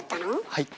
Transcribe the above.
はい。